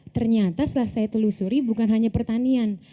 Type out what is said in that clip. ternyata setelah saya telusuri bukan hanya pertanian